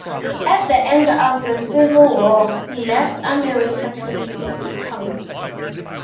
At the end of the Civil War, he left America to live in Italy.